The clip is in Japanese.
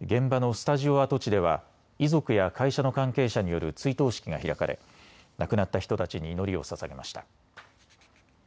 現場のスタジオ跡地では遺族や会社の関係者による追悼式が開かれ亡くなった人たちに祈りをささげました。